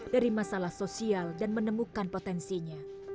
dari masalah sosial dan menemukan potensinya